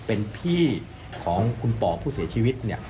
เป็นพี่ของคุณป่อผู้เสียชีวิตเนี่ย